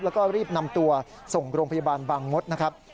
แล้วก็รีบนำตัวส่งโรงพยาบาลบางมดนะครับ